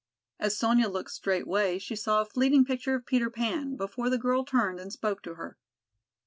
As Sonya looked straightway she saw a fleeting picture of Peter Pan, before the girl turned and spoke to her.